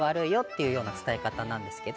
いうような伝え方なんですけど。